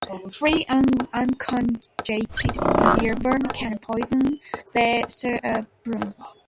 Free unconjugated bilirubin can poison the cerebrum.